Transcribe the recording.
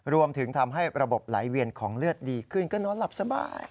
รวมถึงทำให้ระบบไหลเวียนของเลือดดีขึ้นก็นอนหลับสบาย